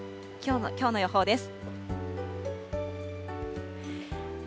きょうの予報です。